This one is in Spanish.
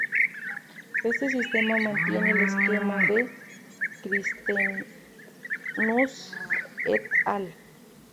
Este sistema mantiene el esquema de Christenhusz et al.